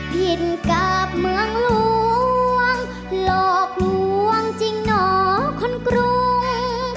ถิ่นกาบเมืองหลวงหลอกลวงจริงหนอคนกรุง